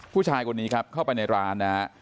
ผู้ชายคนนี้ครับเข้าไปในร้านนะฮะ